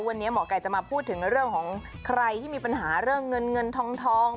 วันนี้หมอไก่จะมาพูดถึงเรื่องของใครที่มีปัญหาเรื่องเงินเงินทอง